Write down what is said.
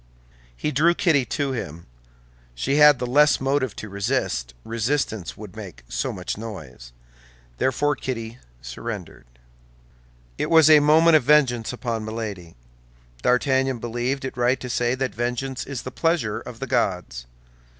He drew Kitty to him. She had the less motive to resist, resistance would make so much noise. Therefore Kitty surrendered. It was a movement of vengeance upon Milady. D'Artagnan believed it right to say that vengeance is the pleasure of the gods.